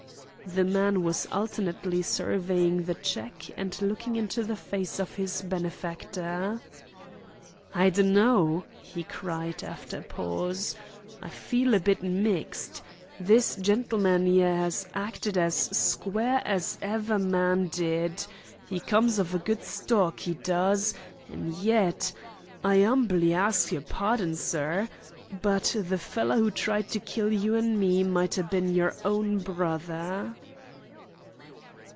The man was alternately surveying the cheque and looking into the face of his benefactor. "I dunno," he cried, after a pause. "I feel a bit mixed. This gentleman 'ere 'as acted as square as ever man did. 'E comes of a good stock, 'e does, an' yet I 'umbly ax yer pawdon, sir but the feller who tried to kill you an' me might ha' bin yer own brother."